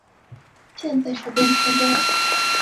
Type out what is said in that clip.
现在手边钱多了